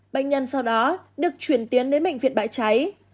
bệnh nhân sau đó được chuyển tiến đến bệnh viện bãi cháy